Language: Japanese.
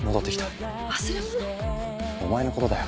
お前のことだよ。